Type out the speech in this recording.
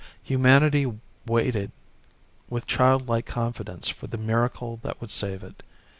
Humanity waited with childlike confidence for the miracle that would save it.